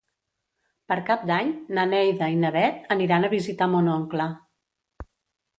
Per Cap d'Any na Neida i na Bet aniran a visitar mon oncle.